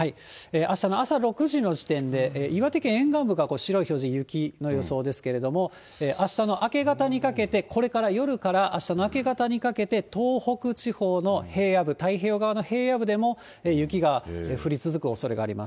あしたの朝６時の時点で岩手県沿岸部が白い表示、雪の表示なんですけれども、あしたの明け方にかけて、これから夜からあしたの明け方にかけて、東北地方の平野部、太平洋側の平野部でも雪が降り続くおそれがあります。